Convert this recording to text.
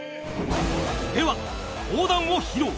では講談を披露